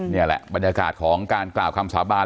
นี่แหละบรรยากาศของการกล่าวคำสาบาน